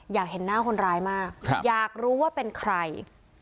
อยากเห็นหน้าคนร้ายมากอยากรู้ว่าเป็นใคร